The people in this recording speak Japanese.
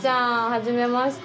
はじめまして。